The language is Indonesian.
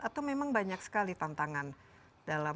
atau memang banyak sekali tantangan dalam